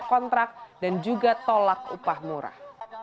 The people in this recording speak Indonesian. kontrak dan juga tolak upah murah